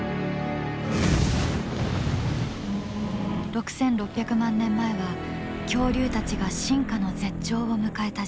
６６００万年前は恐竜たちが進化の絶頂を迎えた時代。